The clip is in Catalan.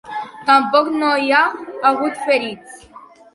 Tampoc no hi ha hagut ferits.